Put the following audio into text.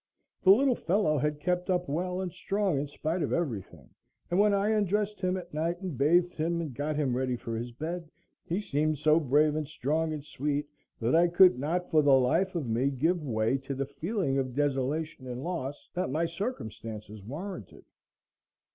The little fellow had kept up well and strong in spite of everything, and when I undressed him at night and bathed him and got him ready for his bed, he seemed so brave and strong and sweet that I could not, for the life of me, give way to the feeling of desolation and loss that my circumstances warranted.